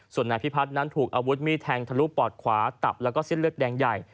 ส่วนนายพิพัฒน์นั้นถูกอาวุธมีดแทงทะลุปอดขวาตับแล้วก็เส้นเลือดแดงใหญ่